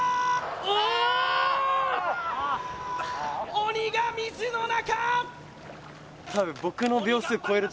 鬼が水の中！